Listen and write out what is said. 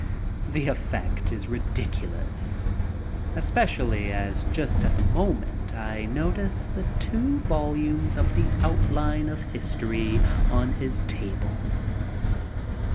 The effect is ridiculous, especially as just at the moment I notice the two yolumes of the Outline of History on his .table.